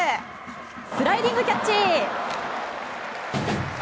スライディングキャッチ。